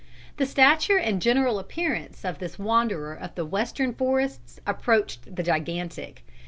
"The stature and general appearance of this wanderer of the western forests approached the gigantic.